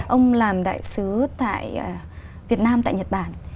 ông làm đại sứ tại việt nam tại nhật bản